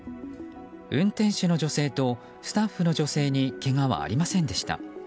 運転手の女性とスタッフの女性にけがはありませんでした。